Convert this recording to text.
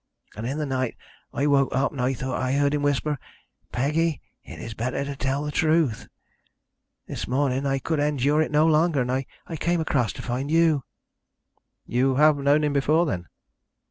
And in the night I woke up and thought I heard him whisper, 'Peggy, it is better to tell the truth.' This morning I could endure it no longer, and I came across to find you." "You have known him before, then?"